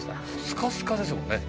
スカスカですもんね。